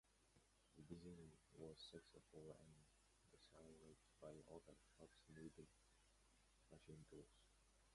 The design was successful, and desired by other shops needing machine tools.